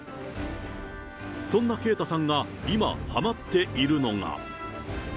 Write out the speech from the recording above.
そんな圭太さんが今、はまっているのが。